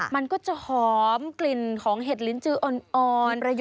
มันก็จะหอมกลิ่นของเห็ดลิ้นจืออ่อน